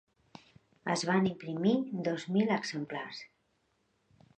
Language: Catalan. Es van imprimir dos mil exemplars.